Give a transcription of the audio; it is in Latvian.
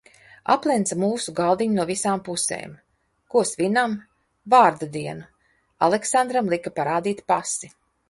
Aplenca mūsu galdiņu no visām pusēm. Ko svinam? Vārda dienu! Aleksandram lika parādīt pasi.